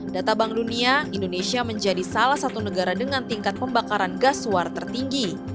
data bank dunia indonesia menjadi salah satu negara dengan tingkat pembakaran gas suar tertinggi